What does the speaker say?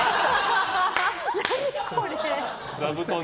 何これ。